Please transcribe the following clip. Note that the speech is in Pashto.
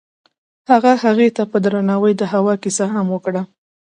هغه هغې ته په درناوي د هوا کیسه هم وکړه.